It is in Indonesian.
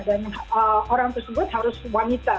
dan orang tersebut harus wanita